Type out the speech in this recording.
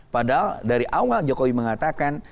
padahal dari awal jokowi mengatakan